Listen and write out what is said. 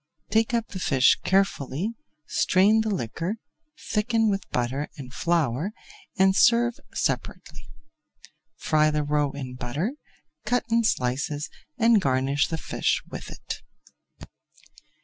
Take up the fish carefully, strain the liquor, thicken with butter and flour, and serve separately. Fry the roe in butter, cut in slices, and garnish the fish with it.